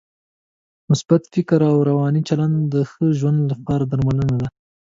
مثبت فکري او روانی چلند د ښه ژوند لپاره درملنه ده.